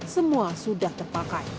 semua sudah terpakai